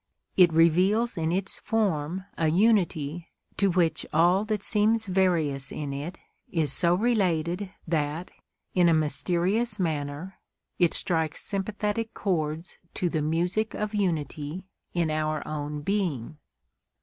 It reveals in its form a unity to which all that seems various in it is so related that, in a mysterious manner, it strikes sympathetic chords to the music of unity in our own being.